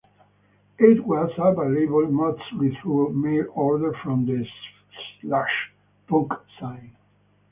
It was available mostly through mail order from the "Slash" punk zine.